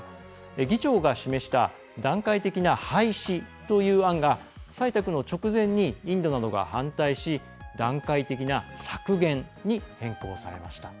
議長が示した段階的な廃止という案が採択の直前にインドなどが反対し段階的な削減に変更をされました。